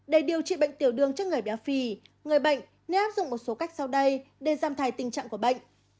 để điều trị bệnh tiểu đường cho người béo phì người bệnh nên áp dụng một số cách sau đây để giảm thải tình trạng của bệnh